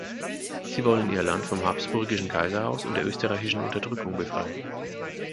Sie wollen ihr Land vom habsburgischen Kaiserhaus und der österreichischen Unterdrückung befreien.